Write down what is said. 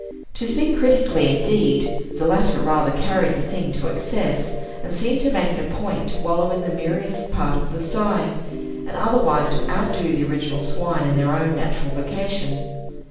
To speak critically, indeed, the latter rather carried the thing to excess, and seemed to make it a point to wallow in the miriest part of the sty, and otherwise to outdo the original swine in their own natural vocation.